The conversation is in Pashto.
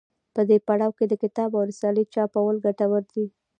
په دې پړاو کې د کتاب او رسالې چاپول ګټور دي.